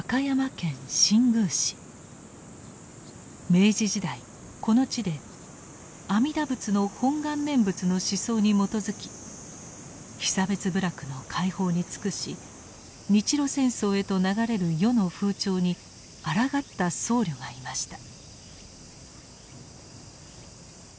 明治時代この地で阿弥陀仏の本願念仏の思想に基づき被差別部落の解放に尽くし日露戦争へと流れる世の風潮にあらがった僧侶がいました。